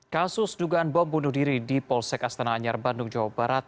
kasus dugaan bom bunuh diri di polsek astana anyar bandung jawa barat